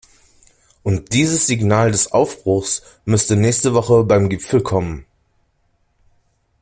Und dieses Signal des Aufbruchs müsste nächste Woche beim Gipfel kommen.